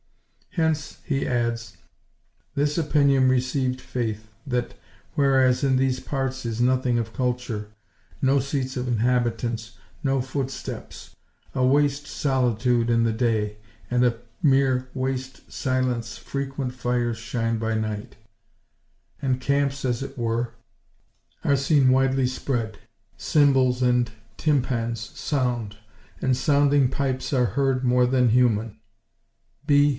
Hence, he adds, this opinion received faith, that, whereas, in these parts is nothing of culture, no seats of inhabitants, no footsteps—a waste solitude in the day, and a mere waste silence—frequent fires shine by night; and camps, as it were, are seen widely spread; cymbals and tympans sound; and sounding pipes are heard more than human (B.